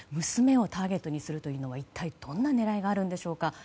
娘をターゲットにするというのは一体どんな狙いがあるんでしょうか。